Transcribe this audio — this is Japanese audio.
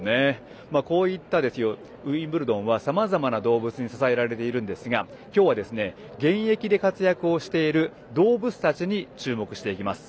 ウィンブルドンはさまざまな動物に支えられているんですが今日は現役で活躍をしている動物たちに注目していきます。